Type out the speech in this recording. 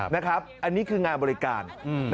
นะครับอันนี้คืองานบริการ